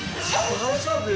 大丈夫？